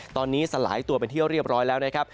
ตอนนี้สลายตัวเป็นที่เรียบร้อยแล้วนะครับ